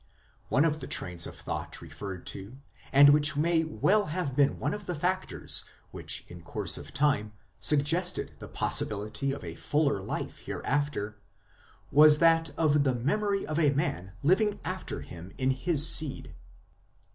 One of the trains of thought referred to, and which may well have been one of the factors which in course of time suggested the possibility of a fuller life hereafter, was that of the memory of a man living after him in his seed.